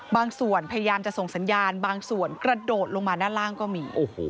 บางส่วนพยายามจะส่งสัญญาณบางส่วนกระโดดลงมาด้านล่างก็มี